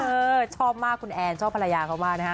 ชอบมากคุณแอนชอบภรรยาเขามากนะฮะ